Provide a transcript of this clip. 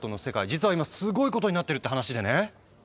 実は今すごいことになってるって話でね。